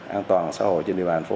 an toàn xã hội trên địa bàn phố